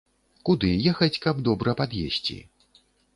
Куды ехаць, каб добра пад'есці?